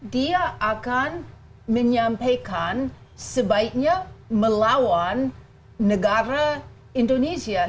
dia akan menyampaikan sebaiknya melawan negara indonesia